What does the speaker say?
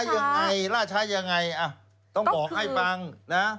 ยังไงล่าช้ายังไงต้องบอกให้ฟังนะ